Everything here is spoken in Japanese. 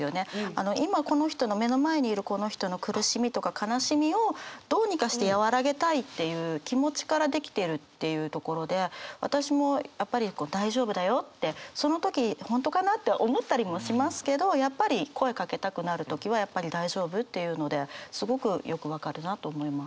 あの今この人の目の前にいるこの人の苦しみとか悲しみをどうにかして和らげたいっていう気持ちから出来てるっていうところで私もやっぱり大丈夫だよってその時本当かなって思ったりもしますけどやっぱり声かけたくなる時はやっぱり大丈夫って言うのですごくよく分かるなと思います。